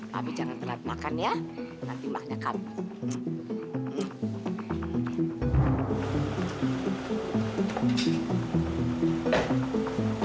tapi jangan terlalu makan ya nanti maknya kamu